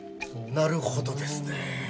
なるほどですねえ。